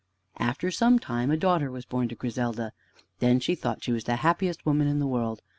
After some time a daughter was born to Griselda. Then she thought she was the happiest woman in the world.